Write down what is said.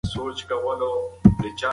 مصنوعي ویډیوګانې ټول لیدونکي مغشوشوي نه.